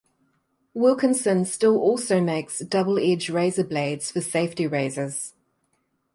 Wilkinson still also makes double edge razor blades for safety razors.